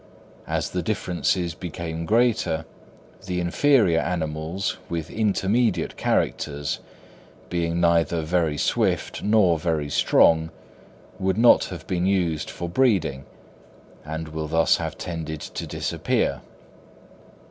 As the differences became greater, the inferior animals with intermediate characters, being neither very swift nor very strong, would not have been used for breeding, and will thus have tended to disappear.